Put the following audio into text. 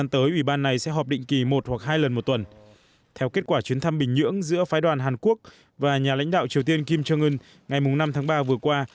theo kết quả chuyến thăm bình nhưỡng giữa phái đoàn hàn quốc và nhà lãnh đạo triều tiên kim jong un ngày năm tháng ba vừa qua